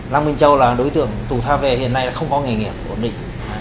lăng minh châu là đối tượng tù tha về hiện nay không có nghề nghiệp ổn định